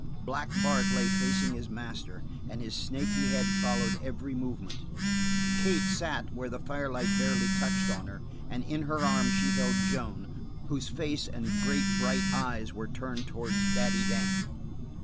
Black Bart lay facing his master, and his snaky head followed every movement. Kate sat where the firelight barely touched on her, and in her arms she held Joan, whose face and great bright eyes were turned towards Daddy Dan.